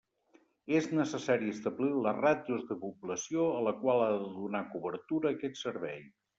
És necessari establir les ràtios de població a la qual ha de donar cobertura aquest servei.